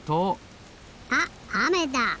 あっあめだ！